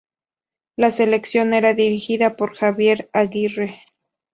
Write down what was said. La selección era dirigida por Javier Aguirre.